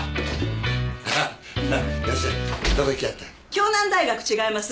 京南大学違います？